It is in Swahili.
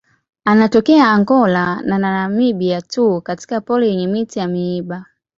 Anatokea Angola na Namibia tu katika pori yenye miti ya miiba.